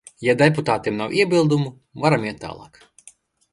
Ja deputātiem nav iebildumu, varam iet tālāk.